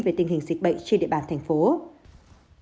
về tình hình dịch bệnh trên địa bàn tp hcm